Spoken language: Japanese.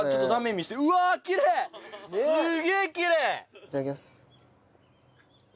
いただきます。